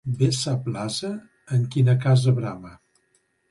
Bé sap l'ase en quina casa brama.